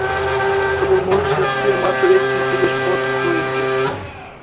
তবে মসজিদটির মাত্র একটি প্রবেশ পথ রয়েছে।